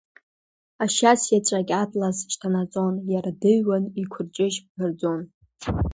Ашьац иаҵәагь атлаз шьҭанаҵон, иара дыҩуан икәырҷыжь ԥырӡон.